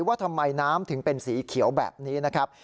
ว่าทำไมน้ำถึงเป็นสีเขียวแบบนี้นะครับ